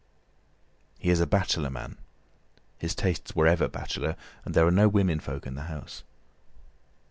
He is a bachelor man—his tastes were ever bachelor, and there are no women folk in the house.